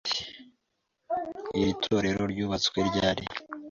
Iri torero ryubatswe ryari?